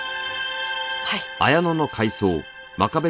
はい。